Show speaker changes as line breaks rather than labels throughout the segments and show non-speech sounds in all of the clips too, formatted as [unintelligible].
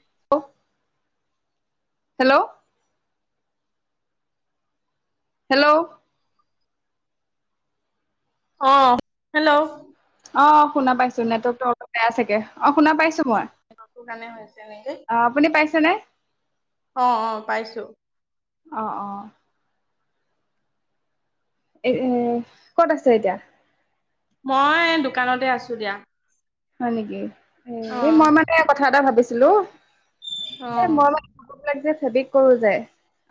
[unintelligible] Hello. Hello
অ, hello
অ, শুনা পাইছো নেটৱকতো অলপ বেয়া চাগে। অ শুনা পাইছোঁ মই।
সেইটো কাৰণে হৈছে এনেকে
অ, আপুনি পাইছেনে?
অ, অ পাইছো।
অ, অ। এ উম ক'ত আছে এতিয়া?
মই দোকানতে আছোঁ দিয়া।
হয় নেকি? উম
অ
এ মই মানে কথা এটা ভাবিছোঁ। লোহ।
অ।
যে ফেব্ৰিক কৰো যে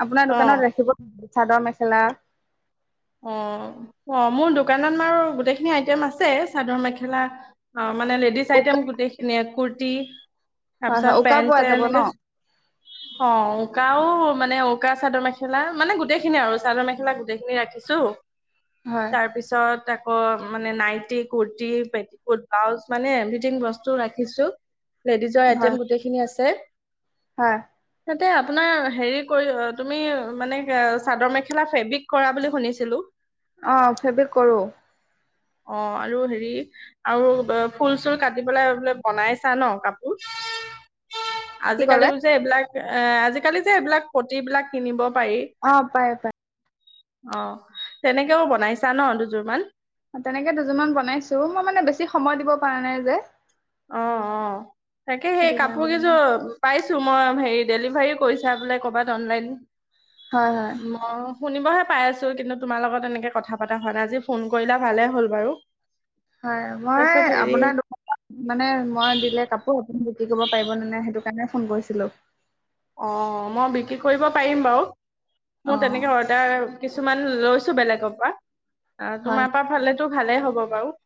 আপোনাৰ
অ
দোকানত ৰাখিব চাদৰ মেখেলা
অ অ মোৰ দোকানত মাৰ গোটেইখিনি আইটেম আছে চাদৰ মেখেলা অ মানে লেডিছ
উকা
আইটেম গোটেইখিনি এ কুৰ টি
হয়
তাৰপিছত
হয় উকা
পেণ্ট
পোৱা
তেন
যাব ন
এনেকে অ উকাও মানে উকা চাদৰ মেখেলা মানে গোটেই খিনি আৰু চাদৰ মেখেলা গোটেখিনি ৰাখিছ চু
হয়
তাৰপিছত অ মানে নাইটি কুৰতি পেটিকোট ব্লাউজ মানে এভৰিথিং বস্তু ৰাখিছো লেডজৰ
হয়
আইটেম গোটেইখিনি আছে [unintelligible]
হয়
তাতে আপোনাৰ হেৰি কৰি তুমি মানে হে চাদৰ মেখেলা ফেব্ৰিক কৰা বুলি শুনিছি হেল্লে
অ ফেব্ৰৰিক কৰো
অ আৰু হেৰি আৰু ফুল চুল কাটি পেলাই বোলে বনাইছা ন কাপোৰ
কি ক'লে
আজিকালি পিছে এইবিলাক এ আজিকালি যে এইবিলাক পতি বিলাক কিনিব পাৰি।
অ পায় পায়
অ তেনেকেও বনাইছা ন দুযোৰ মান
তেনেকে দুযোৰমান বনাইছো মই মানে বেছি সময় দিব পৰা নাই যে [inaudible]
অ অ তাকে সেই
সেইটো কাৰণে
কাপোৰ কেইযোৰ পাইছো মই হ ডেলিভাৰী কৰিছা বোলে কৰ'বাত অনলাইন
হয় হয়
[inaudible] ম শুনিবহে পাই আছো কিন্তু তোমাৰ লগত এনেকে কথা পতা হোৱা নাই আজি ফোন কৰিলা ভালে হ'ল বাৰু
হয়
তাৰপিছত
মই
হেৰি
আপোনাৰ দোকান- মানে মই দিলে কাপোৰ বিক্ৰি কৰি পাৰিব না সেইটো কাৰণে ফোন কৰিছিলো [inaudible]
অ মই বিক্ৰী কৰিব পাৰিম বাৰু [inaudible]
অ'।
মোৰ তেনেকে অদাৰ কিছুমান অ
হয়
তোমাৰ পৰা ফালেতো ভালেই হ'ব বাৰু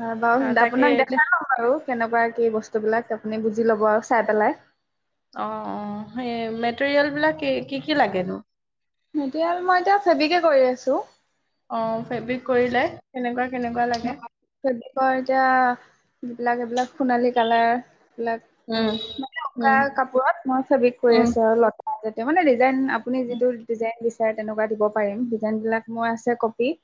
হয়
অ
বাৰু
তাকে
আপোনাক দেখাই লম আৰু কেনেকুৱা কি বস্তু বিলাক আপুনি বুজি লব আৰু চাই পেলাই
অ অ সেই মেটেৰিয়েল বিলাক কি কি লাগেনো
এতিয়া মই এতিয়া ফেবিকে কৰি আছো
অ ফেব্ৰিক কৰিলে তেনেকুৱা
সেইবিলাকৰ এতিয়া যিবিলাক এইবিলাক সোণালী কালাৰ
উম
[unintelligible] উকা
উম
কাপোৰত মই ফেব্ৰিক কৰি
উম
আছো আৰু লত তেতিয়া মানে ডিজাইন আপুনি যিটো ডিজাইন দিছে। তেনেকুৱা দিব পাৰিম ডিজাইন বিলাক মই আছে কপি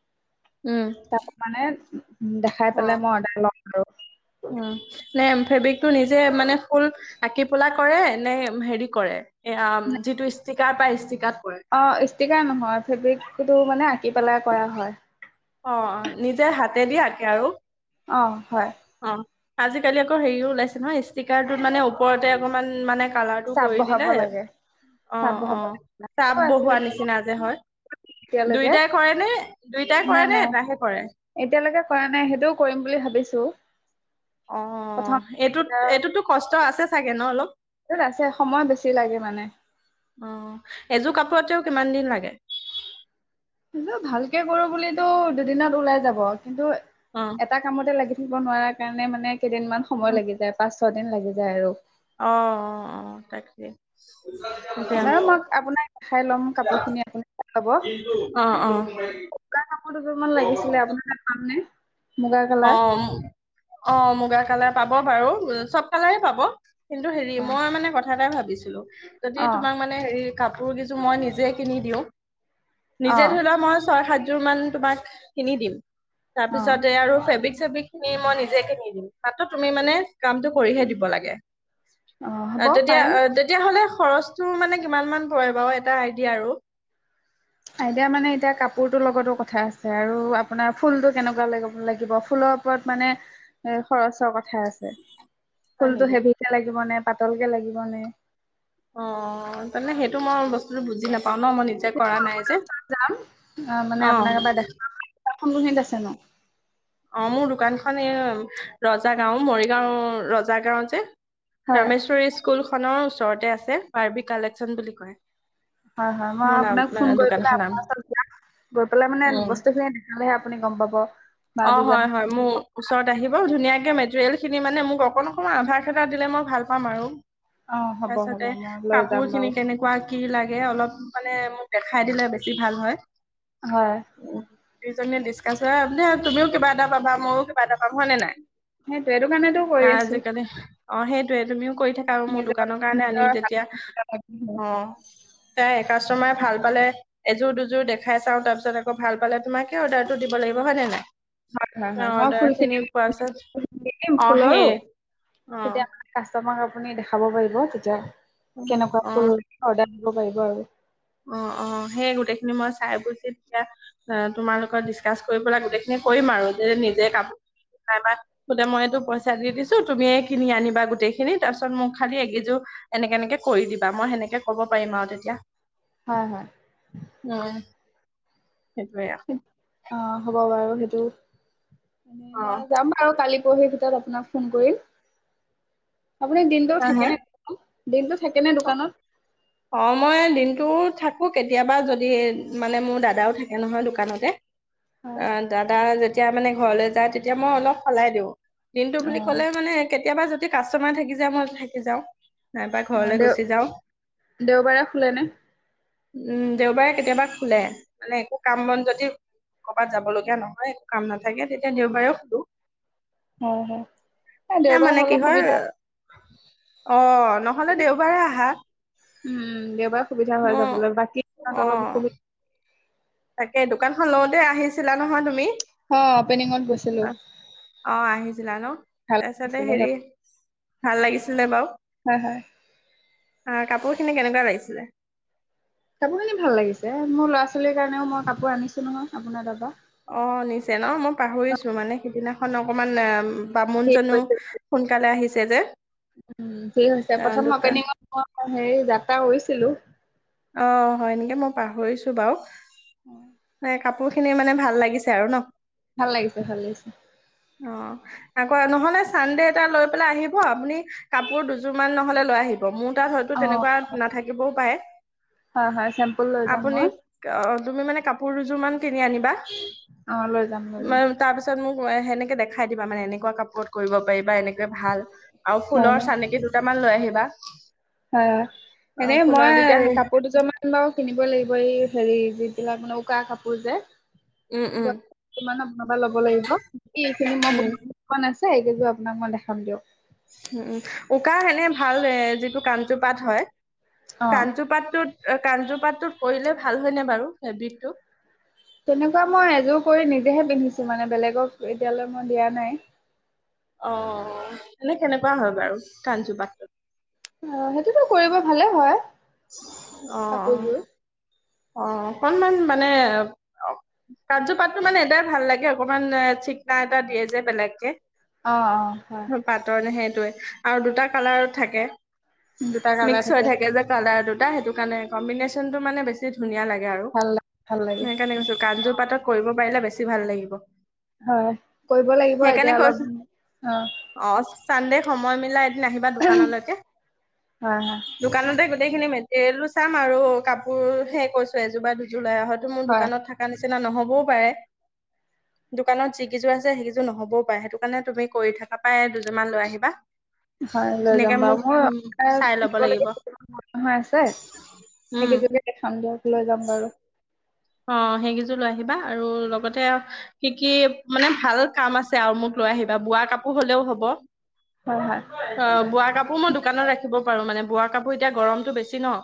উম
তাৰ মানে [unintelligible] উ দেখাই
অ
পেলাই মই অৰ্ডাৰ লম আৰু
উম নে ফেব্ৰিকটো নিজে মানে ফুল আঁকি পেলাই কৰে নে হেৰি কৰে এ যিটো ষ্টিকাৰ পায়
অ ইষ্টিকা নহয় ফেব্ৰিকো মানে পি পেলাই কৰা হয়
অ নিজে হাতে দি আকে আৰু
অ', হয়।
অ আজিকালি আকৌ হেৰিও ওলাইছে নহয় ষ্টিকাৰটোত মানে ওপৰতে অকমান মানে কলৰটো
চাপ
কৰি
বহাব
দিলে
লাগে চাপ
অ',
বহাব
অ',
লাগে
চাপ
আকৌ আছে
বহুৱা নিচিনা যে হয়
এতিয়ালৈকে
দুইটাই কৰে দুইটাই। কৰে
নাই
নে
নাই
এটাহে কৰে
এতিয়ালৈকে কৰা নাই সেইটোও কৰিম বুলি ভাবিছো। চো
অ এইটোত এইটোতো কষ্ট আছে চাগে ন অলপ।
তত আছে সময় বেছি লাগে মানে।
অ এযোৰ কাপোৰতেও কিমান দিন লাগে?
ভালকে কৰো বুলিতো দুদিনত ওলাই যাব। কিন্তু
অ
এটা কামতে লাগি দিব নোৱাৰা কাৰণে মানে কেইদিনমান
অ
সময় লাগি যায় পা ছদিন লাগি যায় আৰু।
অ', অ', অ', তাকেই।
বাৰু মই আপোনাক দেখাই ল'ম কাপোৰ খিনি আপুনি চাই লব
অ', অ'।
মুগা কাপোৰ দুযোৰমান লাগিছিলে আপোনাৰ তাত পামনে। মুগা কালাৰ
অ', অ', মুগা কালাৰ পাব। পাব বাৰু চব কালাৰে পাব। কিন্তু হেৰি
অঁ
মই মানে ক কথা নাই ভাবিছিলো। যদি তোমাক মানে হেৰি কাপোৰ কযোৰ মই নিজে কিনি দিওঁ
অঁ
নিজে ধৰি লোৱা মই ছয় সাত যোৰ মান তোমাক কিনি দিম।
অঁ
তাৰপিছত আৰু ফেব্ৰিক চেব্ৰিক খিনি মই নিজে কিনি দিম তাতো তুমি মানে কামটো কৰিহে দিব লাগে।
অঁ হ'ব
অ তেতিয়া
পাৰিম
আহ তেতিয় হ'লে খৰচটো মানে কিমান মান পৰে বাৰু এটা আইডিয়া আৰু।
আইদিয়া মানে এতিয়া কাপোৰটো লগতো কথা আছে আৰু আপোনাৰ ফুলটো কেনেকুৱা ল লাগিব ফুলৰ ওপৰত মানে এ খৰচৰ কথা। ঠ আছে
হয়
ফুলতটো
নেকি?
হেভিকে লাগিব নে পাতলকে লাগিবনে।
অ', মানে সেইটো মই বস্তুটো বুজি নাপাওঁ। পাওঁ ন মই নিজে কৰা নাই
আপোনাৰ
যে,
ওচৰত যাম
অ'।
দোকান খন কোন খিনিত আছে নু?
অ মোৰ দোকানখন এই ৰজা গাঁও মৰিগাঁও ৰজা গাঁও যে।
হয়
ৰামেশ্বৰী স্কুল। খনৰ ওচৰতে আছে, বাৰ্বি কালেকচন বুলি কয়।
হয় হয়, মই
মোৰ নাম
আপোনাক ফোন কৰি পেলাই
দোকানখনৰ নাম
আপোনাৰ ওচৰত [unintelligible] গৈ‌পেলাই মানে
উম
বস্তু খিনি আ গম পাব বা
অ
ডিজাইন
হয় হয়, মোৰ ওচৰত আহিব নীয়াকে মেটেৰিয়েল খিনি মানে মোক অকণ অকণমান আভাস এটা দিলে মই ভাল পাম আৰু।
অ হ'ব হ'ব
তাৰছতে,
মই লৈ
কাপোৰ
যাম বাৰু
খিনি কেনেকুৱা কি লাগে অলপ মানে মোক দেখাই দিলে বেছি ভাল হয়।
হয়।
দুইজনে ডিছকাছ আ [unintelligible] তুমিও কিবা এটা পাবা, ময়ো কিবা এটা পাম হয় নে নাই?
সেইটো, এইটো কাৰণেতো কৰি আছোঁ।
আজিকালি অ সেইটোৱে, তুমিও কৰি থাকা আৰু মোৰ দোকানৰ কাৰণে
নিজৰ
আনিম
হাত
যেতিয়া।
হয়
অ'। এয়াই, কাষ্টমাৰে ভাল পালে, এযোৰ দুযোৰ দেখাই চাওঁ তাৰপিছত আকৌ ভাল পালে তোমাকে অৰ্ডাৰটো দিব লাগিব হয়নে নাই? অ
[unintelligible]
অৰ্ডাৰ
আপুনি
খিনি
দেখাব
পোৱাৰ পিছত অ সেই অ
পাৰিব, তেতিয়া কেনেকুৱা কৈ
অ
অৰ্ডাৰ [unintelligible]
অ অ, সেই গোটেইখিনি মই চাই বুজি তিয়া তোমাৰ লগত ডিচকাচ কৰি পেলাই গোটেইখিনি কৰিম আৰু যে নিজে কাপো [unintelligible] গোটেই মই এইটো পইচা দি দিছো, তুমি কিনি আনিবা গোটেই খিনি, তাৰ পিছত মোক খালি একিযোৰ এনেকে এনেকে কৰি দিবা, মই সেনেকে ক'ব পাৰিম আৰু তেতিয়া।
হু হু।
উম সেইটোয়ে আৰু।
অ হ'ব বাৰু। সেইটো মানে
অ
মই যাম আৰু কালি [unintelligible] ভিতৰত আপোনাক ফোন কৰিম। [unintelligible] দিনটোও থাকে
আহে
নে [unintelligible] [unintelligible] দোকানত?
অ মই দিনটোত থাকো কেতিয়াবা, যদি মানে মোৰ দাদাও থাকে নহয় দোকানতে। অ দাদা যেতিয়া মানে ঘৰলৈ যায়, তেতিয়া মই অলপ সলাই দিওঁ। দিনটো
অ
বুলি ক'লে মানে কেতিয়াবা কাষ্টমাৰ থাকি যায় মই থাকি যাওঁ, নাইবা
অ
ঘৰলৈ
দেও
গুচি যাওঁ
দেওবাৰে খোলেনেে?
উম দেওবাৰে কেতিয়াবা খোলে মানে একো কাম বন যদি কৰ'ৰবাত যাব লগগীয়া নহয় একো কাম নাথাকে তেতিয়া দেওবাৰেও খোুলো।
হয় হয়।
এ
দেওবাৰে
মানে
হ'লে
কি
সুবিধা
হয় অ ন নহ'লে দেওবাৰে আহা।
উম দেওবাৰ সুবিধা হয়
মোৰ
যাবলৈ বাকী
অ
অলপ অসুবিধা
তাকে দোকানখন লওঁতে আহিছিলা নহয় তুমি?
অ অপেনিঙত গৈছিলো
অ আহিছিলা ন
ভাল
তাৰপিছতে
লাছিলে
হেৰি ভাল লাগিছিলে বাৰু।
হয় হয়।
অ কাপোৰ খিনি কেনেকুৱা লাগিছিলে?
কাপোৰখিনি ভাল লাগিছে মোৰ ল'ৰা ছোৱালীৰ কাৰণেও মই কাপোৰ আনিছো নহয় আপোনাৰ তাৰপৰা।
অ নিছে ন মই পাহৰিছো মানে অকণমান
ঠিক
বামুণজনো
হৈছে
সোনকালে আহিছে ছে যে।
উম ঠিক হৈছে
অ
প্ৰথম
দোকান
অপেনিঙত মই হে যাত্ৰা কৰিছিলো।
অ হয় এনেকৈ মই পাহৰিছোঁ বাৰু। হয়। কাপোৰ খিনি মানে ভাল লাগিছে আৰু ন?
ভাল লাগিছে ভাল লাগিছে।
অ আকৌ নহলে চানডে এটা লৈ পেলাই আহিব আপুনি কাপোৰ দুযোৰ মান নহলে লৈ আহিব। গমো তাত হয়তো
অ
তেনেকুৱা নাথাকিবও পাৰে।
হয় হয় চেম্পল লৈ যাম
আপুনি
মই।
অ তুমি মানে কাপোৰ দুযোৰমান কিনি আনিবা।
অ লৈ যাম বাৰু।
তাৰ পিছত মোক সেনেকে দেখাই দিবা মানে এনেকুৱা কাপোৰত কৰিব পাৰিব। এনেক ভাল আৰু
হয়
ফুলৰ চানকি দুটামান লৈ আহিবা। [unintelligible]
হয়
অ
এনে মই
ফুলৰ তেতিয়া সেই
কাপোৰ দুযোৰমান বাৰু কিনিব লাগিব এই হেৰি যিবিলাক মানে উকা কাপোৰ যে।
উম উম
বনাবা লব লাগিব এইখিনি মই
উম
বনোৱা নাছিলো এই কেইযোৰ আপোনাক মই দেখাম দিয়ক।
উম উম উকা এনে ভাল এ যিটো কাঞ্চুপাত হয়
অ
কাঞ্চুপাতটোত কাঞ্চুপাত টো কৰিলে ভাল হয় ন বাৰু ফেব্ৰিকটো?
তেনেকুৱা মই এযোৰ কৰি নিজেহে পিন্ধিছো মানে বেলেগক এতিয়ালৈ মই দিয়া নাই।
অ অ এনে কেনেকুৱা হয় বাৰু কান্জু পাটটো
অঁ সেইটোতো কৰিব ভালে হয়
অঁ অঁ
কাপোৰযোৰ
অঁ অকনমান মানে কান্জুপাতটো মানে এটাই ভাল লাগে অকমান চিকনা এটা দিয়ে যে বেলেগকে
অঁ অঁ হয়।
পাতৰ সেইটোৱে আৰু দুটা কালাৰত থাকে।
দুটা কালাৰ
মিক্স হৈ থাকে যে কালাৰটো [unintelligible] সেইটো কাণে কম্বিনেচনতো মানে বেছি ধুনীয়া লাগে আৰু
ভাল লাগে ভাল লাগে
সেইকাৰণে কৈছো কান্জু পাতত কৰিব পাৰিলে বেছি বেছি ভাল লাগিব।
হয় কৰিব লাগিব
সেইকাৰণে
এতিয়া অলপ, অঁ
চান্দে সময় মিলাই আহিবা দোকানলৈকে,
হয় হয়
দোকানতে গৈ গোটেইখিনি মেটেৰিয়েলো চাম আৰু কাপোৰ হে কৈছোঁ এজো বা দুযো উলাই অহাটো মোৰ
হয়
দোকানত থাকা নিচনা নিচিনা নহ'বও পাৰে, দোকানত যি কিযোৰ আছে সেই কিযোৰ নহ'বও পাৰে সেইটো কাৰণে তুমি কৰি থাকা পাই দুযোৰ মান লৈ আহিবা,
হয় লৈ যাম
ধুনীয়াকে
বাৰু
মোক
মোৰ
উ চাই লব লাগিব
কিনিবলগীয়া কিছুমান বস্তু নহয় আছে
উম
সেইকেইযোৰকে দেখাম দিয়ক লৈ যাম বাৰু।
অঁ সেইকেইযোৰ লৈ আহিবা আৰু লগতে কি কি মানে ভাল কাম আছে আও মোক লৈ আহিবা বোৱা কাপোৰ হ'লেও হব।
হয় হয়
অঁ বোৱা কাপোৰ মই দোকানত ৰাখিব পাৰো মানে বোৱা কাপোৰ এতিয়া গৰমতটো বেছি ন?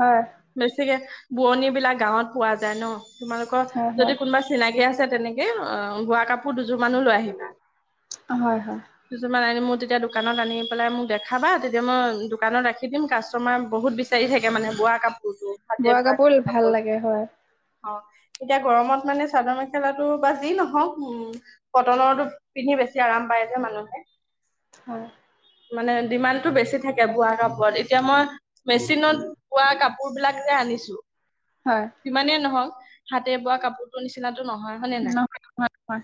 হয়
বেছিকে বোৱনীবিলাক গাঁৱত পোৱা যায় ন? তোমালোঁকৰ
হয়
যদি
হয়
কোনোবা চিনাকি আছে তেনেকে অঁ বোৱা কাপোৰ দু দুযোমানো লৈ আহিবা,
হয় হয়
দুযোমান আনি মোৰ তেতিয়া দোকানত আনি পেলাই মোক দেখাবা তেতিয়া মই দোকানত ৰাখি দিম কাষ্টমাৰ বহুত বিচাৰি থাকে মানে বোৱা কাপো
বোৱা কাপোৰ ভাল লাগে হয়।
অঁ এতিয়া গৰমত মানে চাদৰ মেখেলাটো বা যি নহওক উ কটনৰটো পিন্ধি বেছি আৰাম পায় যে মানুহে।
হয়।
মানে ডিমানটো বেছি থাকে বোৱা কাপোৰত এতিয়া মই, মেচিনত বোৱা কাপোৰবিলাক যে আনিছো
হয়
সিমানেই নহওক। হাতে বোৱা কাপোৰটো নিচিনা ত টো নহয় হয়নে নাই?
নহয় নহয় নহয়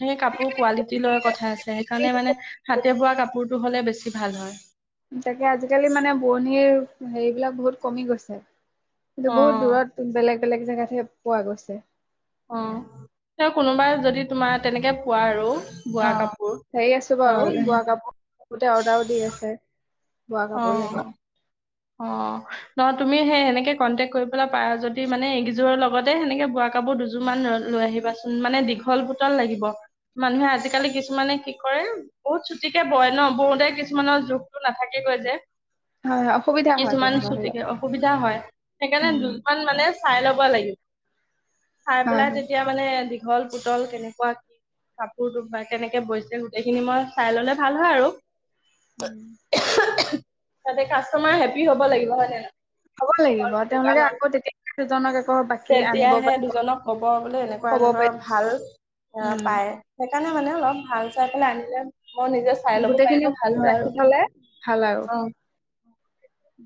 সেই কাপোৰ কোৱালিটি লৈ কথা আছে, সেইকাৰণে মানে হাতে বোৱা কাপোৰটো টো হ'লে বেছি ভাল হয়।
তাকে আজিকালি মানে বোৱনিৰ হেৰিবিলাক বহুত কমি গৈছে।
অ
কিন্তু বহুত দূৰত বেলেগ বেলেগ জেগাতহে পোৱা গৈছে।
অ তেওঁ কোনোবাই যদি তোমাৰ তেনেকে পোৱা আৰু বোৱা
অ
কাপোৰ
হেৰি আছো
অ
বাৰু বোৱা কাপোৰ। গোটে অৰ্ডাৰ ও দি আছে। বোৱা
অ
কাপোৰ লাগে।
অ নহয় তুমি সেই সেনেকে কণ্টেক কৰিবলে পাৰা যদি মানে এইকেইযোৰৰ লগতে সেনেকে বোৱা কাপোৰ দুযোৰ মান লৈ আহিবাচোন মানে দীঘল পুতল লাগিব মানুহে আজিকালি কিছুমানে কি কৰে বহুত চুটিকে বয় ন, বওঁতে কিছুমানৰ জোঁখটো নাথাকেগৈ যে।
হয়। অসুবিধা হয়
কিছুমান
তেনেকুৱা
চুটি
হ'লে
কৰে অসুবিধা হয়, সেইকাৰণে
উম
দুদিন মান মানে চাই ল'বা লাগিব। চাই
হয়
পেলাই
হয়
তেতিয়া মানে দীঘল পুতল কেনেকুৱা কি কাপোৰ বা কেনেকে বৈছে গোটেইখিনি মই চাই ললে ভাল হয় আৰু।
উম।
তাতে ক কাষ্টমাৰ তোমাৰ হেপী হ'ব লাগিব হয় নে নহয়?
হ'ব লাগিব
হ'ল দুটা
তেওঁলোকে
হল
আকৌ তেতিয়া দুজনক আকৌ বাকী আনিব
তেতিয়াহে
পাৰিব
দুজনক কব বোলে এনেকুৱা
ক'ব
এনেকুৱা
পাৰিব
ভাল অ
উম,
পায়, সেইকাৰণে মানে অলপ ভাল চাই পেলাই আনিলে হ
গোটেইখিনি বস্তু ৰাখি থালে ভাল আৰু।
অ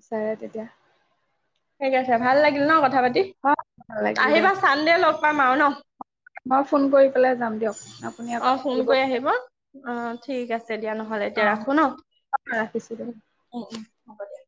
চাৰে তেতিয়া
ঠিক আছে ভাল লাগিল ন, ক থা পাতি
অ', ভাল লাগিল
আহিবা
দিয়ক
চানডে লগ পাম আৰু ন।
মই ফোন কৰি পেলাই যাম দিয়ক আপুনি আকৌ
অ
নাথাকিব পাৰে
ঠিক আছে দিয়া নহলে এতিয়া
অ',
ৰাখো ন।
ৰাখিছোঁ দিয়ক।
উম উম। হব দে।